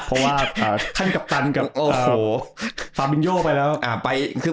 เพราะว่าท่านกัปตันกับโอ้โหฟาบินโยไปแล้ว